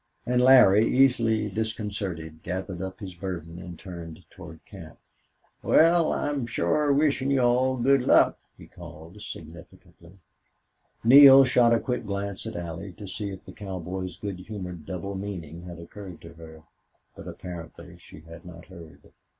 And Larry, easily disconcerted, gathered up his burden and turned toward camp. "Wal, I'm shore wishin' you all good luck," he called, significantly. Neale shot a quick glance at Allie to see if the cowboy's good humored double meaning had occurred to her. But apparently she had not heard.